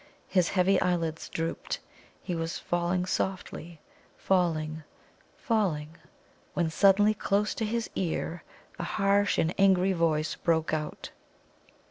His heavy eyelids drooped. He was falling softly falling, falling when suddenly, close to his ear, a harsh and angry voice broke out.